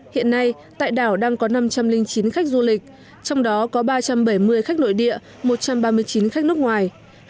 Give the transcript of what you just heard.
hiện nay tại đảo đang có năm trăm linh chín khách du lịch trong đó có ba trăm bảy mươi khách nội địa một trăm ba mươi chín khách nước ngoài